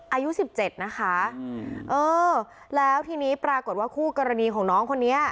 อายุ๑๗นะคะแล้วทีนี้ปรากฏว่าคู่กรณีของน้องคนนี้